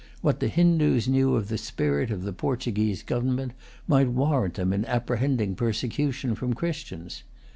What the Hindoos knew of the spirit of the Portuguese government might warrant them in apprehending persecution from Christians.